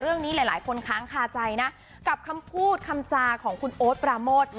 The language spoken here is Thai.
เรื่องนี้หลายคนค้างคาใจนะกับคำพูดคำจาของคุณโอ๊ตปราโมท